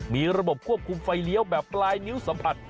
มีระบบควบคุมไฟเลี้ยวแบบปลายนิ้วสัมผัส